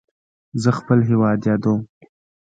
زه خپل هیواد یادوم.